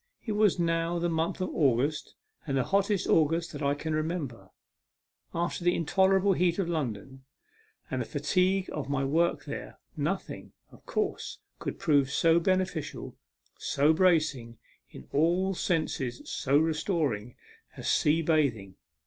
It was now the month of August, and the hottest August that I can remember. After the intolerable heat of London, and the fatigue of my work there, nothing, of course, could prove so beneficial, so bracing, in all senses so restoring, as sea bathing.